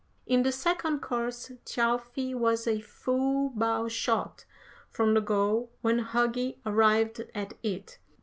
"In the second course, Thjalfi was a full bow shot from the goal when Hugi arrived at it.